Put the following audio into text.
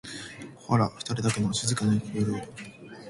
ホラふたりだけの静かな夜を